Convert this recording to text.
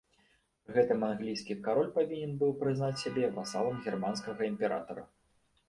Пры гэтым англійскі кароль павінен быў прызнаць сябе васалам германскага імператара.